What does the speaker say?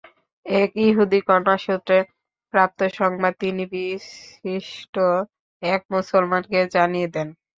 এক ইহুদী কন্যাসূত্রে প্রাপ্ত সংবাদ তিনি বিশিষ্ট এক মুসলমানকে জানিয়ে দেন।